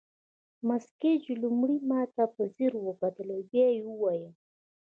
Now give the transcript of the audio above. مس ګیج لومړی ماته په ځیر وکتل او بیا یې وویل.